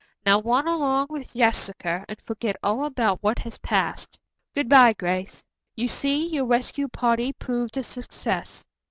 Now run along with Jessica and forget all about what has passed. Good bye, Grace. You see, your rescue party proved a success.